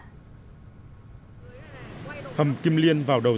hầm kim liên vào đầu dựng